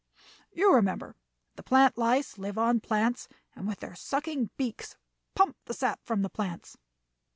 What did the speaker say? You remember, the plant lice live on plants, and with their sucking beaks pump the sap from the plants.